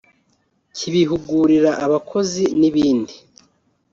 kibihugurira abakozi n’ibindi